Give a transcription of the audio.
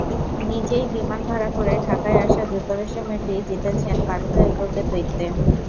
নিজেই বিমান ভাড়া করে ঢাকায় আসা যুক্তরাষ্ট্রের মেয়েটি জিতেছেন বালিকা এককের দ্বৈতে।